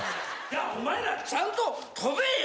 お前らちゃんと跳べよっ！